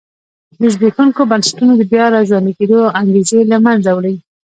د زبېښونکو بنسټونو د بیا را ژوندي کېدو انګېزې له منځه وړي.